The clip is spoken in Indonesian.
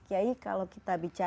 yai kalau kita bisa mencoba